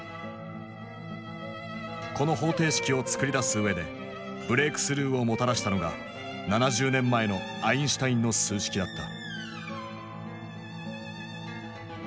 この方程式を作り出す上でブレークスルーをもたらしたのが７０年前のアインシュタインの数式だった。